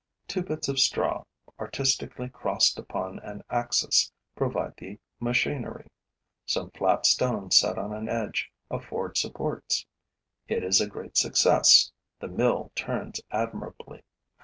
Two bits of straw, artistically crossed upon an axis, provide the machinery; some flat stones set on edge afford supports. It is a great success: the mill turns admirably.